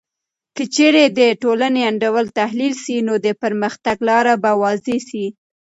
که چیرې د ټولنې انډول تحلیل سي، نو د پرمختګ لاره به واضح سي.